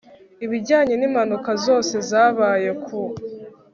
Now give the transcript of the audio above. ibijyanye n impanuka zose zabaye ku